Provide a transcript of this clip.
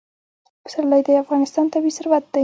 پسرلی د افغانستان طبعي ثروت دی.